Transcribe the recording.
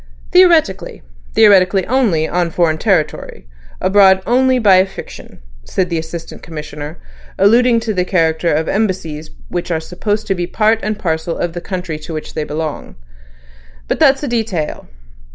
"Theoretically. Theoretically only, on foreign territory; abroad only by a fiction," said the Assistant Commissioner, alluding to the character of Embassies, which are supposed to be part and parcel of the country to which they belong. "But that's a detail.